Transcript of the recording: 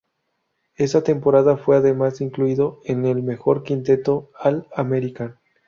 Esa temporada fue además incluido en el mejor quinteto All-American.